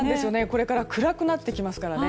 これから暗くなってきますからね。